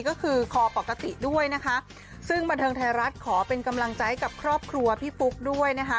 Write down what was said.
ก็คือคอปกติด้วยนะคะซึ่งบันเทิงไทยรัฐขอเป็นกำลังใจกับครอบครัวพี่ฟุ๊กด้วยนะคะ